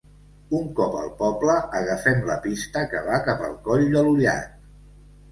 Un cop al poble, agafem la pista que va cap al coll de l'Ullat.